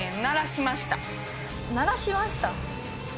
「鳴らしました」？